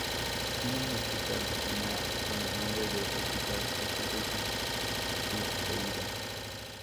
Tiene un hospital regional con el nombre de Hospital Santa Rita Vieira.